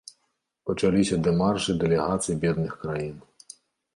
Пачаліся дэмаршы дэлегацый бедных краін.